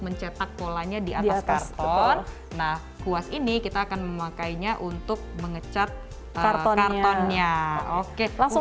mencetak polanya di atas karton nah kuas ini kita akan memakainya untuk mengecat kartonnya oke langsung